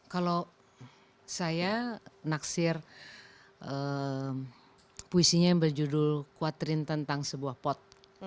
kalau saya naksir puisinya yang berjudul kuatrin tentang sebuah pot